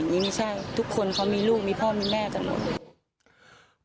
ไม่ใช่ตุ๊กคนมีลูกมีพ่อมีแม่กันหมด